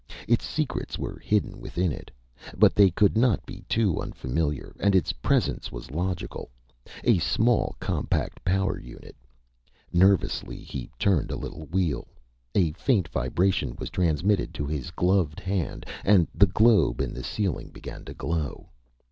Its secrets were hidden within it. But they could not be too unfamiliar. And its presence was logical. A small, compact power unit. Nervously, he turned a little wheel. A faint vibration was transmitted to his gloved hand. And the globe in the ceiling began to glow.